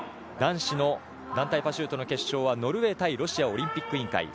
男子の団体パシュートの決勝はノルウェー対ロシアオリンピック委員会。